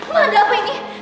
ma ada apa ini